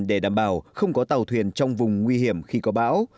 để đảm bảo không có tàu thuyền trong vùng nguy hiểm khi có bão